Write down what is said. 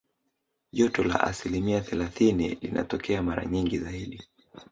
Joto la asilimia thelathini linatokea mara nyingi zaidi